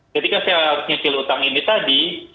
ketika saya harus nyicil utang ini tadi